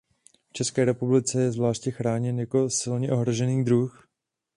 V České republice je zvláště chráněn jako silně ohrožený druh.